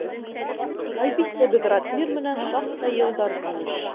Әлбиттә, беҙ Радмир менән шаҡтай йылдар таныш.